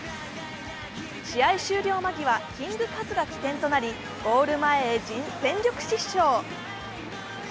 試合終了間際キングカズが起点となりゴール前へ全力疾走。